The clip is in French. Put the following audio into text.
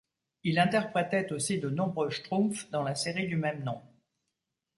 Il interprétait aussi de nombreux Schtroumpfs dans la série du même nom.